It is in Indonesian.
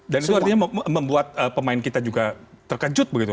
dan itu artinya membuat pemain kita juga terkejut begitu